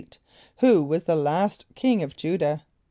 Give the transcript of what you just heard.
= Who was the last king of J[=u]´dah?